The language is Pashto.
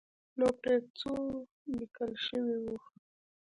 نو پرې ځو لیکل شوي وو.